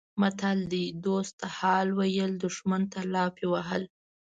متل دی: دوست ته حال ویل دښمن ته لافې وهل